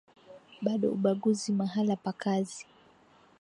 bado ubaguzi mahala pa kazi